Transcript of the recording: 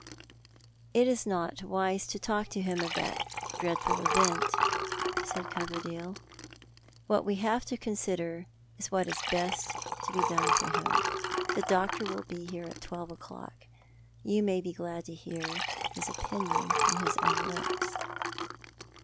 "It is not wise to talk to him of that dreadful event," said Coverdale. " What we have to consider is what is best to bo done for him. The doctor will be here at twelve o'clock. You may be glad to hear his opinion from his own lijos."